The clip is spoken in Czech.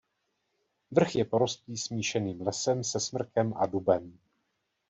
Vrch je porostlý smíšeným lesem se smrkem a dubem.